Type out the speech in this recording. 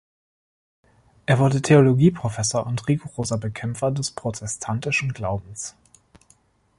Er wurde Theologieprofessor und rigoroser Bekämpfer des protestantischen Glaubens.